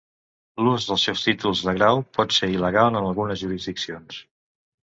L'ús dels seus títols de grau pot ser il·legal en algunes jurisdiccions.